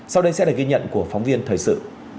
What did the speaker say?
sau đây sẽ là ghi nhận của phóng viên thời sự